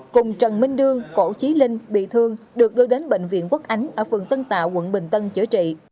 cùng trần minh đương cổ trí linh bị thương được đưa đến bệnh viện quốc ánh ở phường tân tạo quận bình tân chữa trị